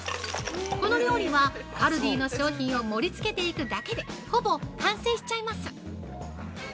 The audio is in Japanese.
この料理はカルディの商品を盛り付けていくだけでほぼ完成しちゃいます。